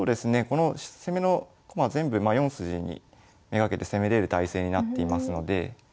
この攻めの駒全部４筋に目がけて攻めれる態勢になっていますので。